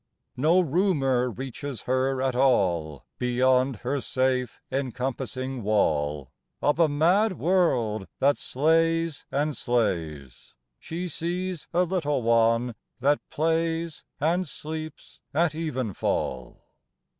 No rumour reaches her at all, Beyond her safe encompassing wall, Of a mad world that slays and slays : She sees a little one that plays And sleeps at evenfall.